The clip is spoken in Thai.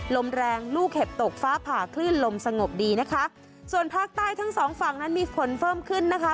ลมแรงลูกเห็บตกฟ้าผ่าคลื่นลมสงบดีนะคะส่วนภาคใต้ทั้งสองฝั่งนั้นมีฝนเพิ่มขึ้นนะคะ